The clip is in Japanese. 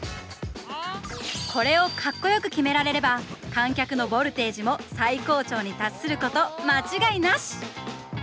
これをカッコよく決められれば観客のボルテージも最高潮に達すること間違いなし！